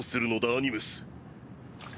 アニムス。